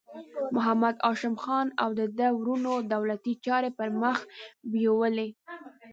محمد هاشم خان او د ده وروڼو دولتي چارې پر مخ بیولې.